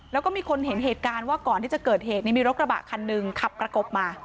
แล้วก็มีคนเห็นเหตุการณ์ว่าก่อนที่จะเกิดเหตุนี้มีรถกระบะคันหนึ่งขับประกบมา